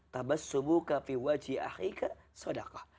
tabas subuka fi wajih ahika sedekah